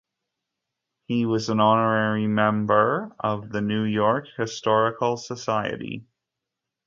He was an honorary member of the New York Historical Society.